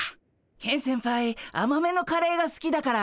ケン先輩あまめのカレーがすきだから。